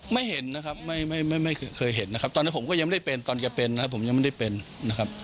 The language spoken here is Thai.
ไม่เห็นนะครับไม่เคยเห็นนะครับตอนนั้นผมก็ยังไม่ได้เป็นตอนแกเป็นนะครับผมยังไม่ได้เป็นนะครับ